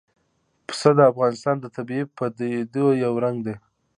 پسه د افغانستان د طبیعي پدیدو یو رنګ دی.